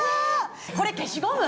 これ消しゴム？